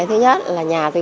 thứ nhất là nhà tôi